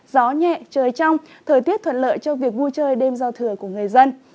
gió nhẹ trời trong thời tiết thuận lợi cho việc vui chơi đêm giao thừa